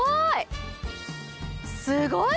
すごい！